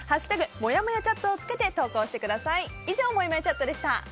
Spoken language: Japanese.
「＃もやもやチャット」をつけて投稿してください。